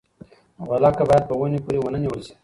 غولکه باید په ونې پورې ونه نیول شي.